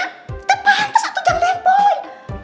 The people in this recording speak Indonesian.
teh pantes atu jam dane boy